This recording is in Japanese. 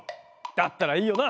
だったらいいよな！